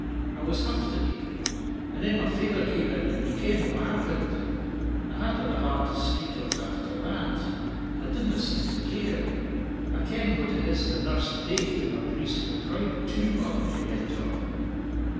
I was huffed at ye. And then my faither came in, and ye ken what happened. I hadna the heart to speak o't after that; I didna seem to care. I ken what it is to nurse daith in my breist wi' pride, too, mother," she went on.